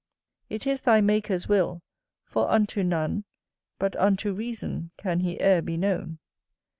It is thy Maker's will; for unto none But unto reason can he e'er be known.